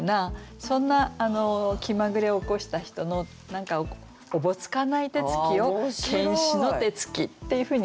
そんな気まぐれを起こした人の何かおぼつかない手つきを「検死の手つき」っていうふうに言ってるんですね。